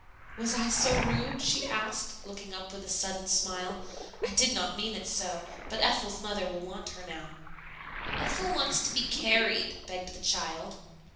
"Was I so rude?" she asked, looking up with a sudden smile. "I did not mean it so; but Ethel's mother will want her now." "Ethel wants to be carried," begged the child.